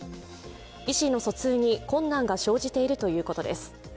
意思の疎通に困難が生じているということです。